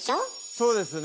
そうですね。